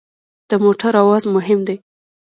د موټر اواز مهم دی.